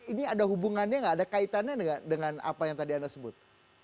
ini ada hubungannya nggak ada kaitannya nggak dengan apa yang tadi anda sebut